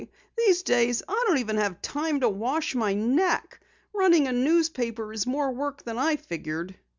These days I don't even have time to wash my neck. Running a newspaper is more work than I figured."